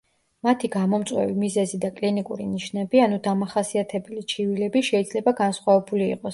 მათი გამომწვევი მიზეზი და კლინიკური ნიშნები, ანუ დამახასიათებელი ჩივილები, შეიძლება განსხვავებული იყოს.